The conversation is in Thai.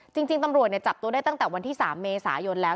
จริงตำรวจจับตัวได้ตั้งแต่วันที่๓เมษายนแล้ว